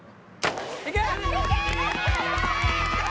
いけ！